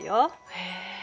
へえ。